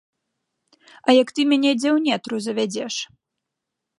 А як ты мяне дзе ў нетру завядзеш?